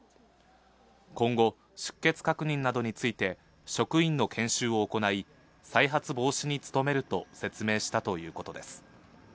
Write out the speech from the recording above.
今後、出欠確認などについて、職員の研修を行い、再発防止に努めると説明したということです。